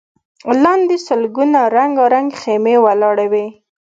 لاندې سلګونه رنګارنګ خيمې ولاړې وې.